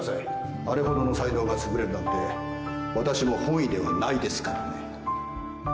あれほどの才能がつぶれるなんて私も本意ではないですからね